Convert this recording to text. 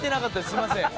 すいません。